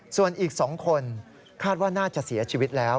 ส่วนอีก๒คนคาดว่าน่าจะเสียชีวิตแล้ว